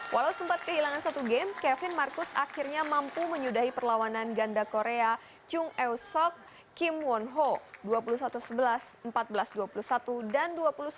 walau sempat kehilangan satu game kevin marcus akhirnya mampu menyudahi perlawanan ganda korea chung eo sok kim wonho dua puluh satu sebelas empat belas dua puluh satu dan dua puluh satu sembilan belas